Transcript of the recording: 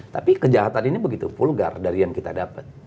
tapi kejahatan ini begitu vulgar dari yang kita dapat